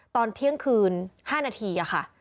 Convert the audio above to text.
ตอนเที่ยงคืน๕นาทีค่ะ